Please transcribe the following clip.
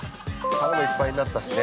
◆腹もいっぱいになったしね。